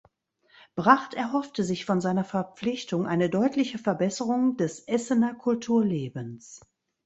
Bracht erhoffte sich von seiner Verpflichtung eine deutliche Verbesserung des Essener Kulturlebens.